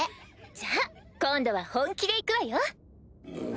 ・じゃあ今度は本気で行くわよ。